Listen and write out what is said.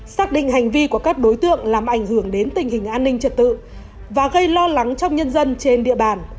xác định hành vi của các đối tượng làm ảnh hưởng đến tình hình an ninh trật tự và gây lo lắng trong nhân dân trên địa bàn